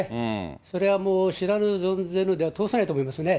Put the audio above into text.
それはもう知らぬ存ぜぬでは通さないと思いますね。